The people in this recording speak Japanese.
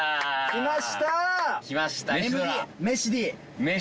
きました！